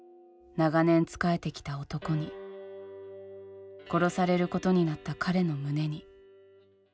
長年仕えてきた男に殺されることになった彼の胸に。